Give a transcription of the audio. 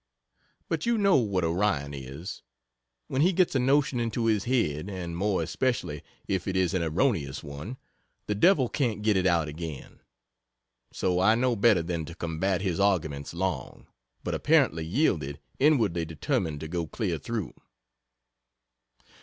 But you know what Orion is. When he gets a notion into his head, and more especially if it is an erroneous one, the Devil can't get it out again. So I know better than to combat his arguments long, but apparently yielded, inwardly determined to go clear through.